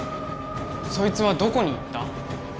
そいつはどこに行った？